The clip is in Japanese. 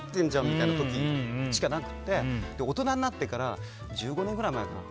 みたいな時しかなくて大人になってから１５年ぐらい前かな。